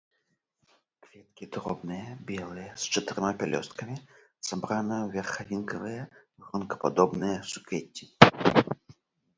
Кветкі дробныя, белыя, з чатырма пялёсткамі, сабраныя ў верхавінкавыя гронкападобныя суквецці.